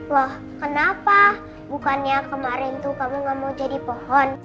loh kenapa bukannya kemarin tuh kamu gak mau jadi pohon